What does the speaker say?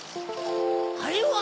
あれは？